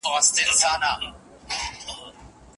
اسلام نارینه ته د څومره ميرمنو سره د نکاح اجازه کړې ده؟